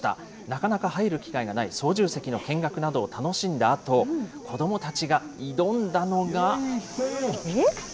なかなか入る機会がない操縦席の見学などを楽しんだあと、子どもたちが挑んだのが。